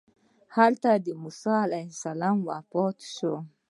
همدلته موسی علیه السلام وفات شو.